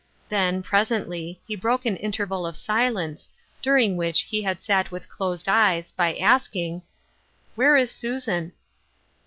Then, pres ently, he broke an interval of silence, during which he had sat with closed eyes, by asking :" Where is Susan